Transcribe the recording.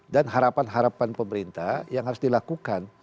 dan harapan harapan pemerintah yang harus dilakukan